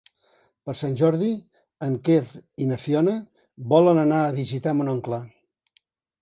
Per Sant Jordi en Quer i na Fiona volen anar a visitar mon oncle.